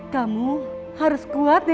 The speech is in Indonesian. kamu harus kuat deh nak